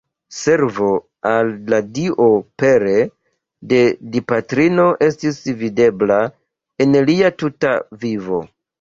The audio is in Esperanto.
Servo al la Dio pere de Dipatrino estis videbla en lia tuta vivo.